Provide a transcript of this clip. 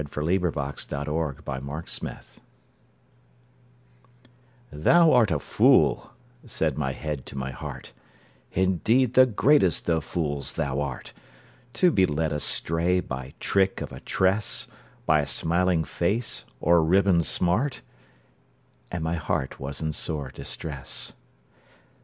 Paul Laurence Dunbar Retort THOU art a fool," said my head to my heart, "Indeed, the greatest of fools thou art, To be led astray by trick of a tress, By a smiling face or a ribbon smart;" And my heart was in sore distress.